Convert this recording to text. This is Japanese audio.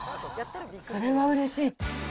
それはうれしい。